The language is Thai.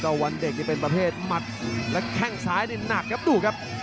วันเด็กนี่เป็นประเภทหมัดและแข้งซ้ายนี่หนักครับดูครับ